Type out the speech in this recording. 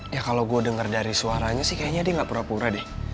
ya kalau gue dengar dari suaranya sih kayaknya dia gak pura pura deh